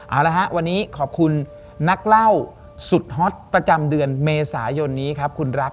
เอาละฮะวันนี้ขอบคุณนักเล่าสุดฮอตประจำเดือนเมษายนนี้ครับคุณรัก